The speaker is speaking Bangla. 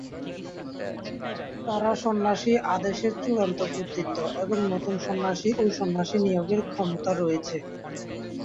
তারা সন্ন্যাসী আদেশের চূড়ান্ত কর্তৃত্ব এবং নতুন সন্ন্যাসী ও সন্ন্যাসী নিয়োগের ক্ষমতা রয়েছে।